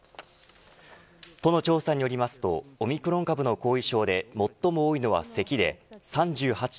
都の調査によりますとオミクロン株の後遺症で最も多いのはせきで３８．６％。